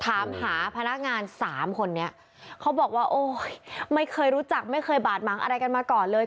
ถามหาพนักงานสามคนนี้เขาบอกว่าโอ้ยไม่เคยรู้จักไม่เคยบาดหมางอะไรกันมาก่อนเลย